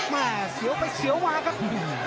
เสียวไปเสียวมาครับ